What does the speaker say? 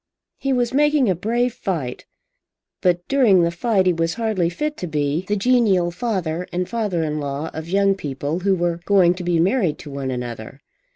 He was making a brave fight; but during the fight he was hardly fit to be the genial father and father in law of young people who were going to be married to one another.